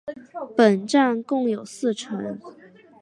本站共有四层。